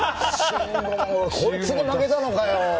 こいつに負けたのかよ。